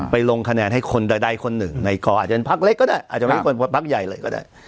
ลงคะแนนให้คนใดคนหนึ่งในคออาจจะเป็นพักเล็กก็ได้อาจจะไม่พักใหญ่เลยก็ได้